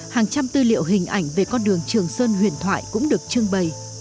hàng trăm tư liệu hình ảnh về con đường trường sơn huyền thoại cũng được trưng bày